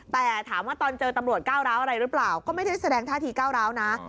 แต่ถามว่าตอนเจอตำรวจก้าวร้าวอะไรหรือเปล่าก็ไม่ได้แสดงท่าทีก้าวร้าวนะ